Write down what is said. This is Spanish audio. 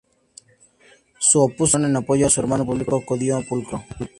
Se opuso a Cicerón en apoyo a su hermano Publio Clodio Pulcro.